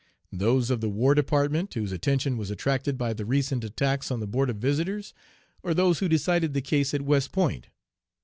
Those of the War Department, whose attention was attracted by the 'recent attacks on the Board of Visitors,' or those who decided the case at West Point?